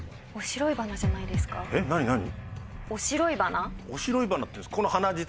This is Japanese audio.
オシロイバナっていうんですか？